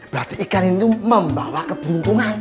berarti ikan ini membawa keberuntungan